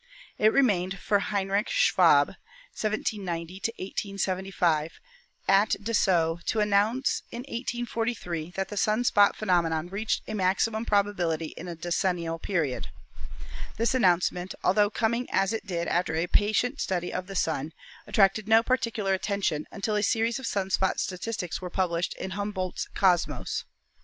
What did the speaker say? It remained for Heinrich 102 ASTRONOMY Schwabe (1790 1875) at Dessau to announce in 1843 that the sun spot phenomena reached a maximum probably in a decennial period. This announcement, altho coming as it did after a patient study of the Sun, attracted no particular attention until a series of sun spot statistics were pub lished in Humboldt's "Kosmos."